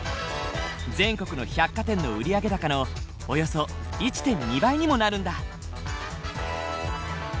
全国の百貨店の売り上げ高のおよそ１．２倍にもなるんだ。